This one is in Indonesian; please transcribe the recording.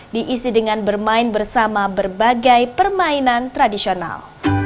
diisi dengan bermain bersama berbagai permainan tradisional